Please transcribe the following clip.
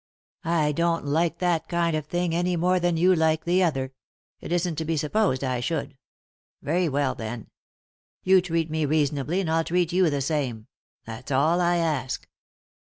I don't like that kind of thing any more than you like the other ; it isn't to be supposed I should — very well, then I You treat me reasonably and I'll treat you the same — that's all I ask."